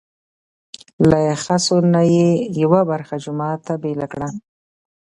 له خسو نه یې یوه برخه جومات ته بېله کړه.